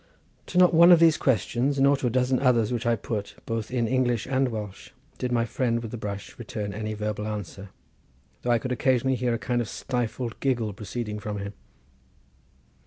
To not one of these questions, nor to a dozen others which I put, both in English and Welsh, did my friend with the brush return any verbal answer, though I could occasionally hear a kind of stifled giggle proceeding from him.